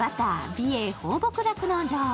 美瑛放牧酪農場。